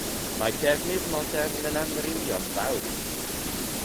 Mae defnydd modern yn amrywio'n fawr.